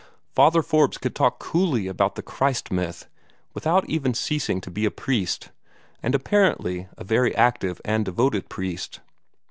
Father Forbes could talk coolly about the "Christ myth" without even ceasing to be a priest, and apparently a very active and devoted priest.